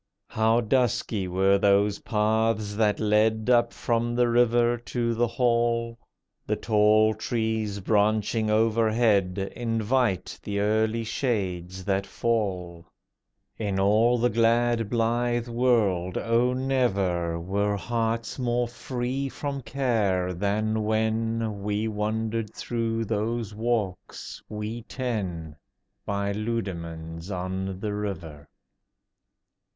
How dusky were those paths that led Up from the river to the hall. The tall trees branching overhead Invite the early shades that fall. In all the glad blithe world, oh, never Were hearts more free from care than when We wandered through those walks, we ten, By Leudemanns on the River.